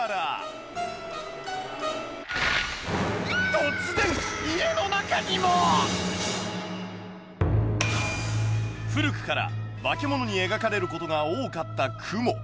突然家の中にも！古くから化け物に描かれることが多かったクモ。